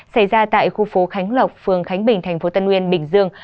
xảy ra tại khu phố khánh lộc phường khánh bình tp tân nguyên bình dương